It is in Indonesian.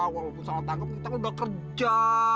walaupun salah tanggap kita kan udah kerja